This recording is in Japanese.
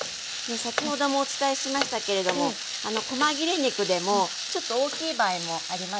先ほどもお伝えしましたけれどもこま切れ肉でもちょっと大きい場合もありますよね。